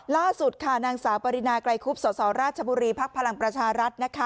ล่าสุดค่ะนางสาวปริณาไกลคุบสราชบุรีพพลังประชารัฐนะคะ